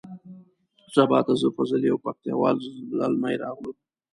سبا ته زه فضل یو پکتیا وال زلمی راغلو.